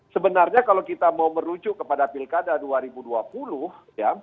sebenarnya kalau kita mau merujuk kepada pilkada dua ribu dua puluh ya